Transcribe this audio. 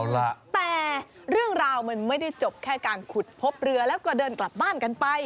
แต่เรื่องราวมันไม่ได้จบแค่การขุดพบเรือแล้วก็เดินกลับบ้านกันไป